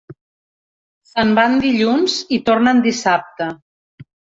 Se'n van dilluns i tornen dissabte.